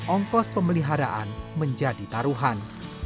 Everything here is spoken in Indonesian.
ongkos pemeliharaan menjadi taruhan